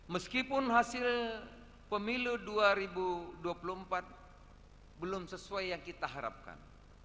meskipun hasil pemilu dua ribu dua puluh empat belum sesuai yang kita harapkan